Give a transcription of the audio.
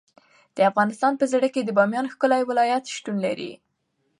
د افغانستان په زړه کې د بامیان ښکلی ولایت شتون لري.